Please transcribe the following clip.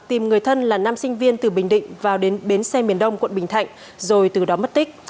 tìm người thân là nam sinh viên từ bình định vào đến bến xe miền đông quận bình thạnh rồi từ đó mất tích